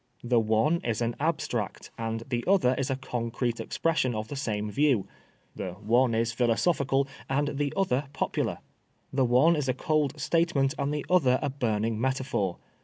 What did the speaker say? The one is an abstract and the other a concrete ex pression of the same view ; the one is philosophical and the other popular ; the one is a cold statement and the other a burning metaphor.